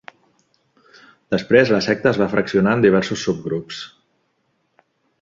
Després la secta es va fraccionar en diversos subgrups.